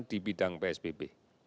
di bidang psbb